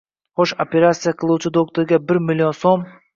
Xo`sh, operasiya qiluvchi doktorga bir million so`m